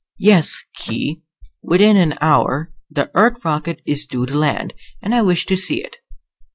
"Yes, Khee. Within an hour the Earth rocket is due to land, and I wish to see it.